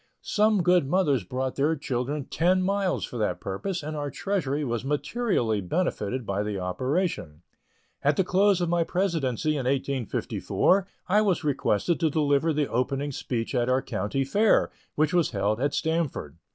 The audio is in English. Some good mothers brought their children ten miles for that purpose, and our treasury was materially benefited by the operation. At the close of my presidency in 1854, I was requested to deliver the opening speech at our County Fair, which was held at Stamford.